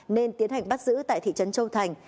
nên tiến hành bắt giữ tại thị trấn châu thành